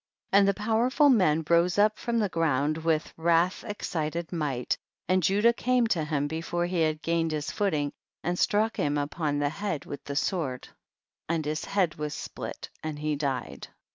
60. And the powerful man rose up from the ground witli wrath ex cited might, and Judah came to him before he had gained his footing, and struck him upon the head with the sword, and his head was split and he died.